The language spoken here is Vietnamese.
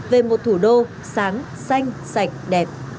về một thủ đô sáng xanh sạch đẹp